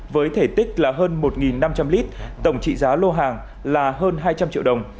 với thể tích là hơn một năm trăm linh lít tổng trị giá lô hàng là hơn hai trăm linh triệu đồng